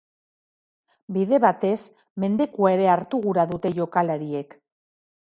Bide batez, mendekua ere hartu gura dute jokalariek.